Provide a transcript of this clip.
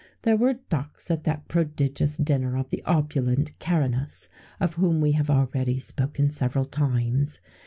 There were ducks at that prodigious dinner of the opulent Caranus, of whom we have already spoken several times.